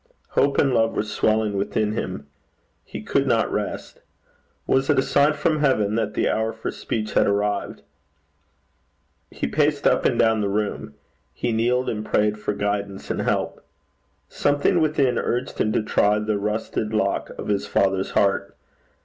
Hope and love were swelling within him. He could not rest. Was it a sign from heaven that the hour for speech had arrived? He paced up and down the room. He kneeled and prayed for guidance and help. Something within urged him to try the rusted lock of his father's heart.